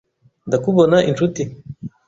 Ndakubona inshuti.